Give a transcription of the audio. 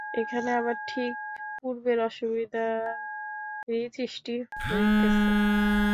এখানে আবার ঠিক পূর্বের অসুবিধারই সৃষ্টি হইতেছে।